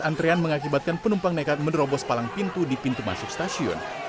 antrean mengakibatkan penumpang nekat menerobos palang pintu di pintu masuk stasiun